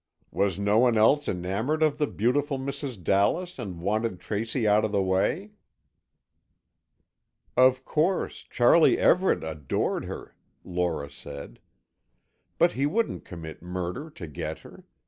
"Was no one else enamoured of the beautiful Mrs. Dallas, and wanted Tracy out of the way?" "Of course, Charlie Everett adored her," Lora said, "but he wouldn't commit murder to get her.